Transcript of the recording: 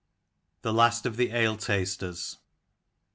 THE LAST OF THE ALE TASTERS.